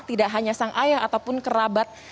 tidak hanya sang ayah ataupun kerabat